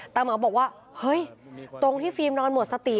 เหมาบอกว่าเฮ้ยตรงที่ฟิล์มนอนหมดสติ